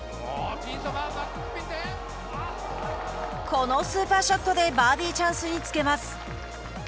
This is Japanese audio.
このスーパーショットでバーディーチャンスにつけます。